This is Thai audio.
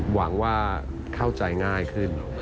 หวังว่าเข้าใจง่ายขึ้น